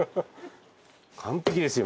完璧ですよ